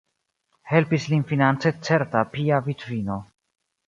Helpis lin finance certa pia vidvino.